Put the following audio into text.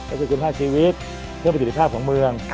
คือคุณภาคชีวิตเพิ่มปัจจุภาพของเมือง